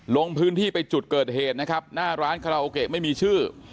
ลงพื้นที่ไปจุดเกิดเหตุนะครับหน้าร้านคาราโอเกะไม่มีชื่อ